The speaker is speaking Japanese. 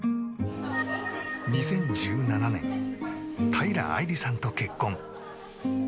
２０１７年平愛梨さんと結婚。